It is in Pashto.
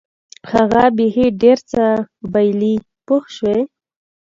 هغه بیخي ډېر څه بایلي پوه شوې!.